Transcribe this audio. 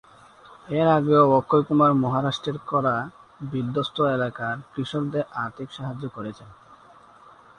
এর আগেও অক্ষয় কুমার মহারাষ্ট্রের খরা বিধ্বস্ত এলাকার কৃষকদের আর্থিক সাহায্য করেছেন।